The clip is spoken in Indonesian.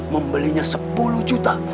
membelinya sepuluh juta